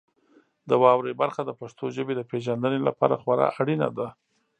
د واورئ برخه د پښتو ژبې د پیژندنې لپاره خورا اړینه ده.